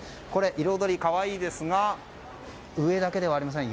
彩り、可愛いですが上だけではありません。